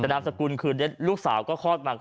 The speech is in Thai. น้ามสกุลคือคนเล็กรูปสาวก็คลอดมา